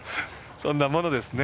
そんなものですね。